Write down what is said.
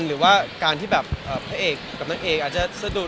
หรือว่าการที่แบบพระเอกกับนางเอกอาจจะสะดุด